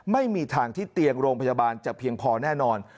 ไม่มีทางที่เตียงโรงพยาบาลจะเพียงพอแน่นอน